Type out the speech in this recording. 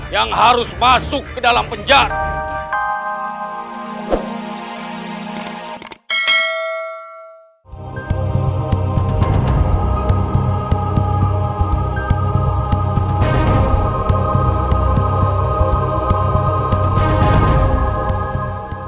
yang harus masuk ke dalam penjara